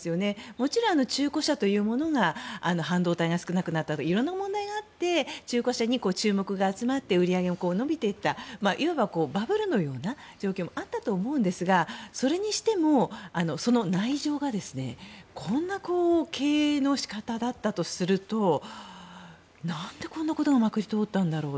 もちろん中古車というものが半導体が少なくなるなどいろんな問題があって中古車に注目が集まって売り上げが伸びていったいわばバブルのような状況もあったと思いますがそれにしてもその内情がこんな経営のし方だったとすると何でこんなことがまかり通ったんだろう。